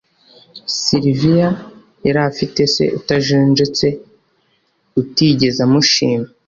Silvia yari afite se utajenjetse utigeze amushima.